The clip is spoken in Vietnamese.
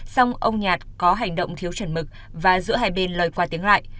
song ông nhạt có hành động thiếu trần mực và giữa hai bên lời qua tiếng lại